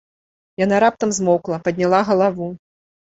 Яна раптам змоўкла, падняла галаву.